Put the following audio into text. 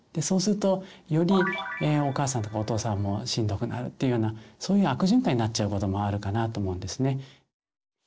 そうするとよりお母さんとかお父さんもしんどくなるっていうようなそういう悪循環になっちゃうこともあるかなと思うんですね。